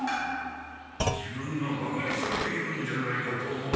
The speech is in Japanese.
自分がバカにされているんじゃないかと思って。